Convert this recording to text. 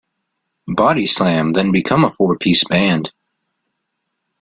Bodyslam then became a four-piece band.